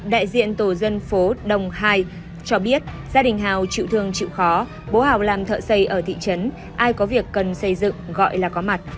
đại diện tổ dân phố đồng hai cho biết gia đình hào chịu thương chịu khó bố hào làm thợ xây ở thị trấn ai có việc cần xây dựng gọi là có mặt